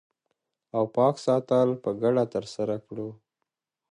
او پاک ساتل په ګډه ترسره کړو